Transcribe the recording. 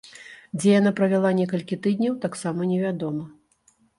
Дзе яна правяла некалькі тыдняў, таксама невядома.